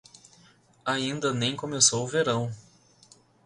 Ainda nem começou o verão.